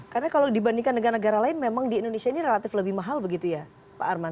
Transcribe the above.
karena kalau dibandingkan dengan negara lain memang di indonesia ini relatif lebih mahal begitu ya pak arman